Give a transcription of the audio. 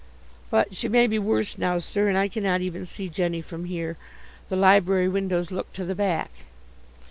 "But she may be worse now, sir, and I cannot even see Jenny from here. The library windows look to the back."